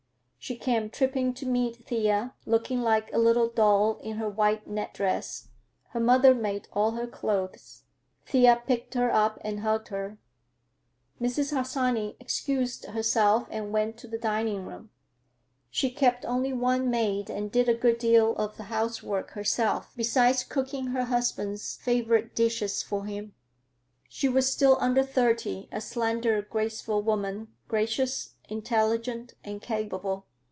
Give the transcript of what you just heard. She came tripping to meet Thea, looking like a little doll in her white net dress—her mother made all her clothes. Thea picked her up and hugged her. Mrs. Harsanyi excused herself and went to the dining room. She kept only one maid and did a good deal of the housework herself, besides cooking her husband's favorite dishes for him. She was still under thirty, a slender, graceful woman, gracious, intelligent, and capable.